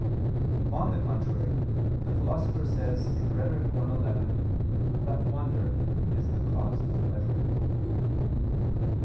On the contrary, The Philosopher says (Rhet. i, 11) that wonder is the cause of pleasure.